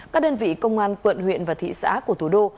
các đơn vị công an quận huyện và thị xã của thủ đô